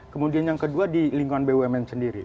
kemudian yang kedua di lingkungan bumn sendiri